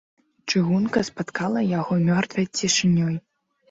Чыгунка спаткала яго мёртвай цішынёй.